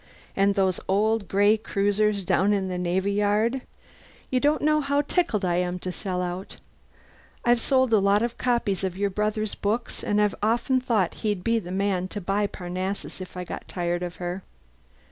And those old gray cruisers down in the Navy Yard! You don't know how tickled I am to sell out. I've sold a lot of copies of your brother's books and I've often thought he'd be the man to buy Parnassus if I got tired of her."